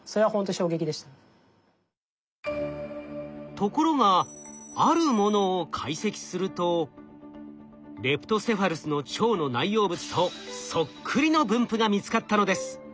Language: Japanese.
ところがあるものを解析するとレプトセファルスの腸の内容物とそっくりの分布が見つかったのです。